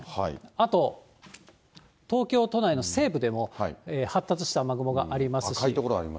あと東京都内の西部でも、発達した雨雲がありますし。